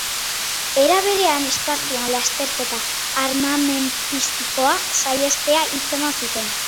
Era berean, espazioan lasterketa armamentistikoa saihestea hitz eman zuten.